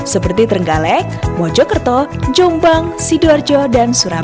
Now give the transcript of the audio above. seperti trenggalek mojokerto jombang sidoarjo dan surabaya